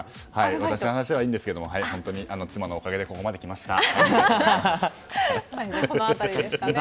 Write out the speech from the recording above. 昔の話はいいですが妻のおかげでここまで来ました。